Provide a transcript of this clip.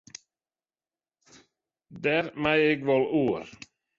Dêr mei ik wol oer.